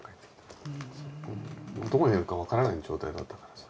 どこにいるか分からない状態だったからさ。